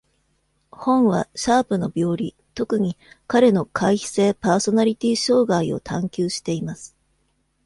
本はシャープの病理、特に彼の回避性パーソナリティ障害を探求しています。